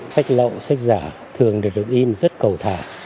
sách lậu sách giả thường được in rất cầu thả